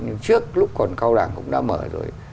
nhưng trước lúc còn cao đẳng cũng đã mở rồi